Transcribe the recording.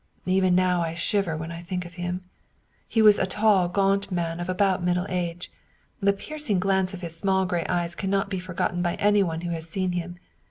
Even now I shiver when I think of him. He was a tall gaunt man of about middle age. The piercing glance of his small gray eyes cannot be forgotten by anyone who has seen him.